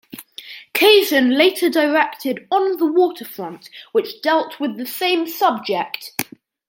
Kazan later directed "On the Waterfront", which dealt with the same subject.